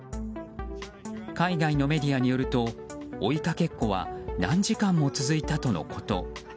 海外のメディアによると追いかけっこは何時間も続いたとのこと。